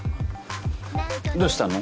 どうしたの？